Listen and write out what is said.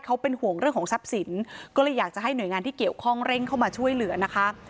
เขาเป็นห่วงเรื่องของทรัพย์สินก็เลยอยากจะให้หน่วยงานที่เกี่ยวข้องเร่งเข้ามาช่วยเหลือนะคะ